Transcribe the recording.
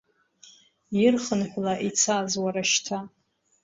Ирхынҳәла ицаз уара шьҭа!